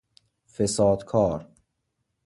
فساد کار